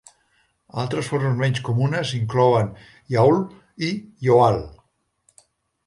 Altres formes menys comunes inclouen "yawl" i "yo-all".